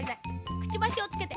くちばしをつけて。